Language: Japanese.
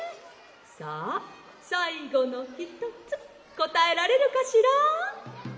さあさいごのひとつこたえられるかしら？」。